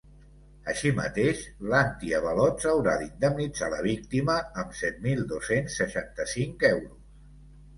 Així mateix, l’antiavalots haurà d’indemnitzar la víctima amb set mil dos-cents seixanta-cinc euros.